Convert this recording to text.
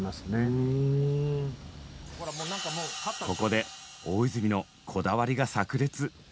ここで大泉のこだわりがさく裂。